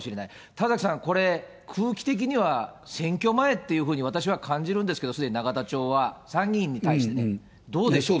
田崎さん、これ、空気的には、選挙前っていうふうに私は感じるんですけど、すでに永田町は、参議院に対して、どうでしょう。